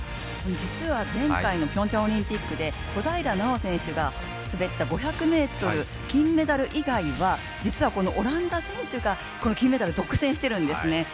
実は前回のピョンチャンオリンピックで小平奈緒選手が滑った５００ｍ金メダル以外は実はオランダ選手が金メダル、独占してるんですね。